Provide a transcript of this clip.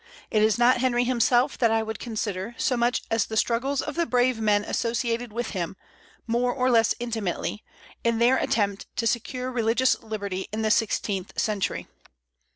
It is not Henry himself that I would consider, so much as the struggles of the brave men associated with him, more or less intimately, in their attempt to secure religious liberty in the sixteenth century.